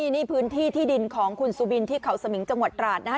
นี่พื้นที่ที่ดินของคุณสุบินที่เขาสมิงจังหวัดตราดนะฮะ